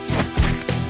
saya yang menang